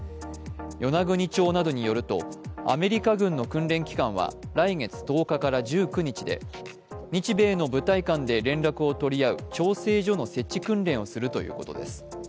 与那国町などによると、アメリカ軍などの訓練期間は来月１０日から１９日で、日米の部隊間で連絡を取り合う調整所の設置訓練をするということです。